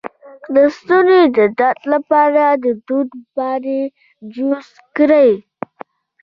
د ستوني د درد لپاره د توت پاڼې جوش کړئ